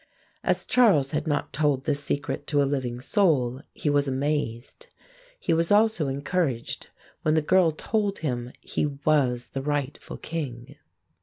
As Charles had not told this secret to a living soul, he was amazed. He was also encouraged when the girl told him he was the rightful king.